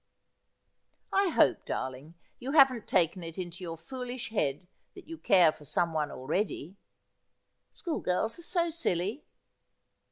' I hope, darling, you haven't taken it into your foolish head that you care for some one already. School girls are so silly.'